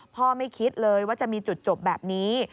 ไม่คิดเลยว่าจะมีจุดจบแบบนี้